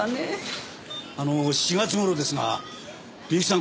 あの４月頃ですがみゆきさん